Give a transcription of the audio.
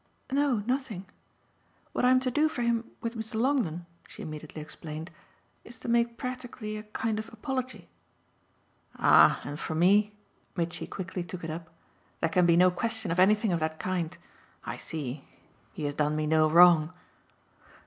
"No, nothing. What I'm to do for him with Mr. Longdon," she immediately explained, "is to make practically a kind of apology." "Ah and for me" Mitchy quickly took it up "there can be no question of anything of that kind. I see. He has done me no wrong."